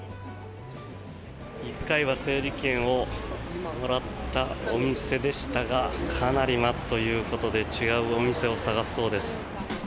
１回は整理券をもらったお店でしたがかなり待つということで違うお店を探すそうです。